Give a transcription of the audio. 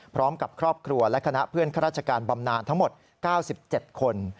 พร้อมกับครอบครัวและคณะเพื่อนข้าราชการบำนานทั้งหมด๙๗คน